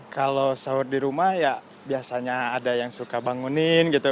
kalau sahur di rumah ya biasanya ada yang suka bangunin gitu